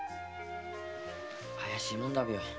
怪しいもんだべよ。